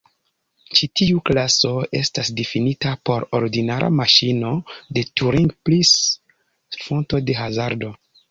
Ĉi tiu klaso estas difinita por ordinara maŝino de Turing plus fonto de hazardo.